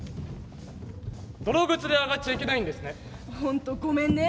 泥靴で上がっちゃいけないんですね。